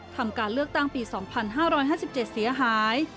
ทำการเลือกตั้งปี๒๕๕๗เสียหาย